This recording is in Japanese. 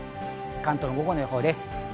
関東の午後の予報です。